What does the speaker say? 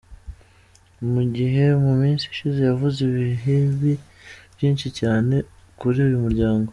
Mu gihe mu minsi ishize yavuze ibibi byinshi cyane kuri uyu muryango.